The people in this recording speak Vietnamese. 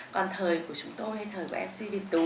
còn thời của chúng tôi hay thời của mc việt tú